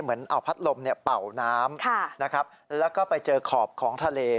เหมือนเอาพัดลมเป่าน้ำนะครับแล้วก็ไปเจอขอบของทะเล